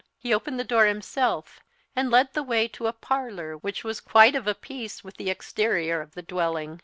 He opened the door himself, and led the way to a parlour which was quite of a piece with the exterior of the dwelling.